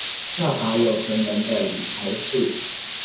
效法有錢人的理財術